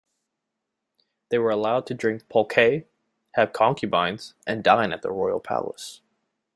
They were allowed to drink "pulque", have concubines, and dine at the royal palace.